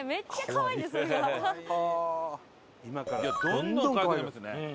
どんどんかわいくなりますよね。